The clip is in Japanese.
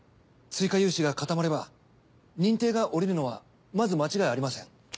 追加融資が固まれば認定がおりるのはまず間違いありません。